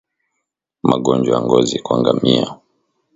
Magonjwa ya ngozi kwa ngamia